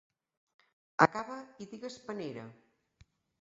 Acaba i digues panera.